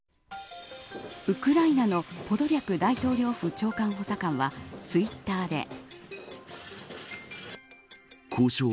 ウクライナのポドリャク大統領府長官補佐官はツイッターで。